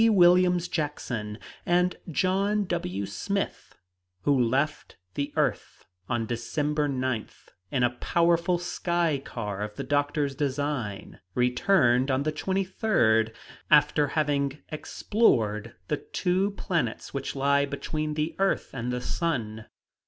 Williams Jackson, and John W. Smith, who left the earth on December 9 in a powerful sky car of the doctor's design, returned on the 23rd, after having explored the two planets which lie between the earth and the sun.